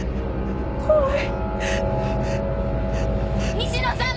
・西野さん！